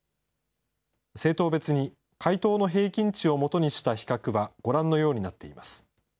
政党別に、回答の平均値をもとにした比較はご覧のようになっています。